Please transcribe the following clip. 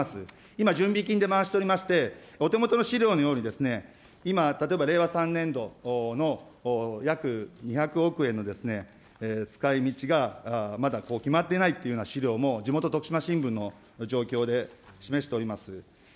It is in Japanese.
今、準備金で回しておりまして、お手元の資料のように、今、例えば令和３年度の約２００億円の使いみちが、まだ決まっていないというような資料も、地元、徳島新聞の状況で示しております。